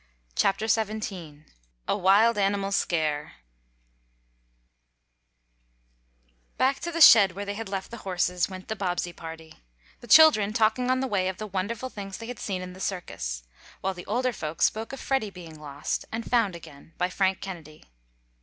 CHAPTER XVII A WILD ANIMAL SCARE Back to the shed where they had left the horses, went the Bobbsey party, the children talking on the way of the wonderful things they had seen in the circus, while the older folks spoke of Freddie being lost, and found again, by Frank Kennedy.